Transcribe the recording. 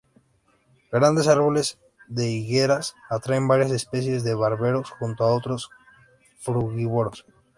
Grandes árboles de higueras atraen varias especies de barberos junto a otros frugívoros.